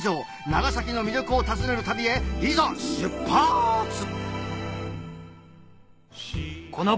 長崎の魅力を訪ねる旅へいざしゅっぱつ！